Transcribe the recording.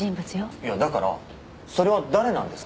いやだからそれは誰なんですか？